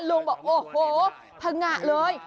ลุงบอกโอ้โหพังงะเลย